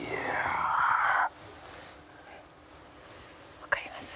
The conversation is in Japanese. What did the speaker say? わかります？